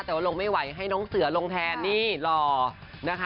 แต่ว่าลงไม่ไหวให้น้องเสือลงแทนนี่หล่อนะคะ